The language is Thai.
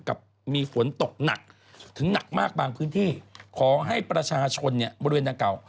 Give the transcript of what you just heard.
กับมีฝนตกหนักถึงหนักมากบางพื้นที่ขอให้ประชาชนเนี่ยบริเวณดังเก่า